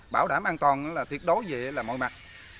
bảo đảm an toàn là thiệt đối về mọi mặt